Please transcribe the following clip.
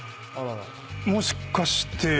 もしかして。